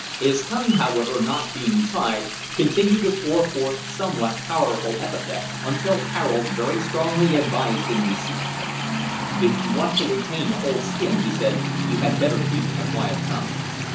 His tongue, however, not being tied, continued to pour forth somewhat powerful epithets, until Harold very strongly advised him to cease. "If you want to retain a whole skin," he said, "you had better keep a quiet tongue."